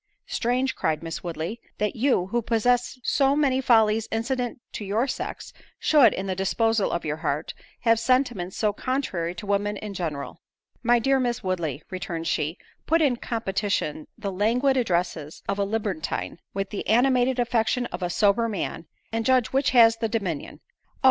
"Strange," cried Miss Woodley, "that you, who possess so many follies incident to your sex, should, in the disposal of your heart, have sentiments so contrary to women in general." "My dear Miss Woodley," returned she, "put in competition the languid addresses of a libertine, with the animated affection of a sober man, and judge which has the dominion? Oh!